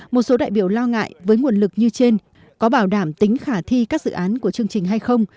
một số đại biểu lo ngại với nguồn lực như trên có bảo đảm tính khả thi các dự án của chương trình hay không